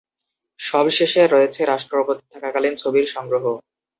সবশেষে রয়েছে রাষ্ট্রপতি থাকাকালীন ছবির সংগ্রহ।